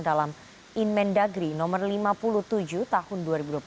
dalam inmen dagri no lima puluh tujuh tahun dua ribu dua puluh satu